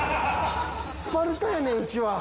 スパルタやねんうちは。